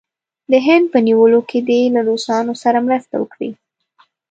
د هند په نیولو کې دې له روسانو سره مرسته وکړي.